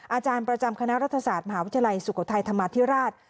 อาจารย์ประจำคณะรัฐศาสตร์มหาวิทยาลัยสุโขทัยธรรมาธิราช